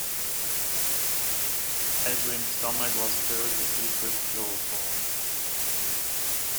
Edwin's stomach was filled with liquid chloroform.